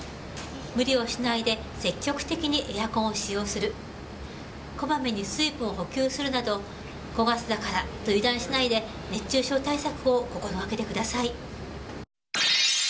無理をしないで積極的にエアコンを使用するこまめに水分補給するなど５月だからと油断しないで熱中症対策を心がけてください。